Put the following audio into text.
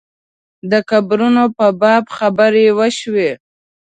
د قبرونو په باب خبرې وشوې.